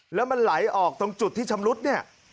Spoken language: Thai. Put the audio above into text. แล้วมันไหลออกตรงจุดที่ชำรุดเนี่ย